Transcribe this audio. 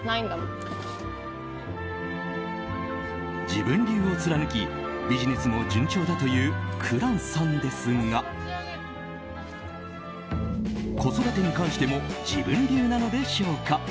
自分流を貫き、ビジネスも順調だという紅蘭さんですが子育てに関しても自分流なのでしょうか。